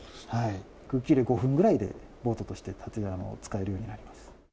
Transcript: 空気入れて５分ぐらいで、ボートとして使えるようになります。